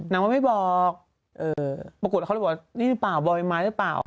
นี่หรือเปล่าบอยไม้หรือเปล่า